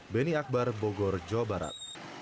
beni akbar bogor jawa barat